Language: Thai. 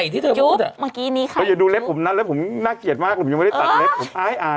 ทำวันไหนครับ